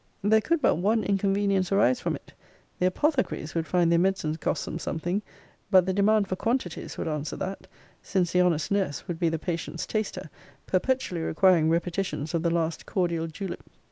There could but one inconvenience arise from it. The APOTHECARIES would find their medicines cost them something: but the demand for quantities would answer that: since the honest NURSE would be the patient's taster; perpetually requiring repetitions of the last cordial julap.